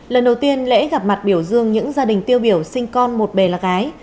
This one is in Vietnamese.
lần đầu tiên lễ gặp mặt biểu dương những gia đình tiêu biểu sinh con một bề là gái